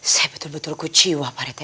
saya betul betul keciwa parete